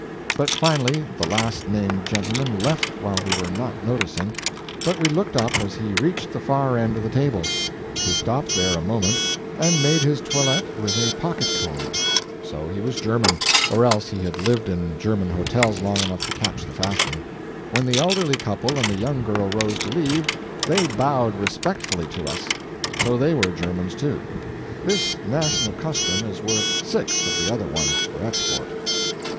But finally the last named gentleman left while we were not noticing, but we looked up as he reached the far end of the table. He stopped there a moment, and made his toilet with a pocket comb. So he was a German; or else he had lived in German hotels long enough to catch the fashion. When the elderly couple and the young girl rose to leave, they bowed respectfully to us. So they were Germans, too. This national custom is worth six of the other one, for export.